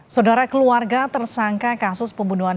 saudara keluarga tersangka kasus pembunuhan